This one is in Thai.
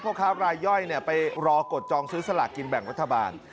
พ่อค้ารายย่อยไปรอกดจองซื้อสลากกินแบ่งรัฐบาล